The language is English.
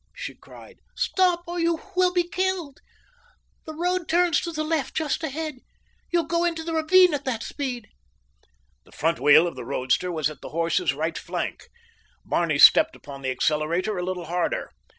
she cried. "Stop or you will be killed. The road turns to the left just ahead. You'll go into the ravine at that speed." The front wheel of the roadster was at the horse's right flank. Barney stepped upon the accelerator a little harder.